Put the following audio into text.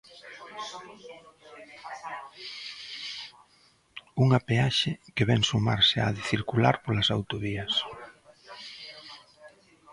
Unha peaxe que vén sumarse á de circular polas autovías.